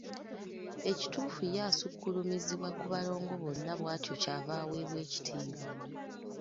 Ekituufu ye asukkulumizibwa ku balongo bonna bw’atyo ky’ava aweebwa ekitiibwa.